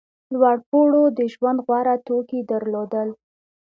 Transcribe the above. لوړپوړو د ژوند غوره توکي درلودل.